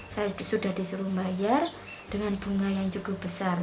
saya sudah disuruh bayar dengan bunga yang cukup besar